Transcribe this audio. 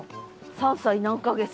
３歳何か月で。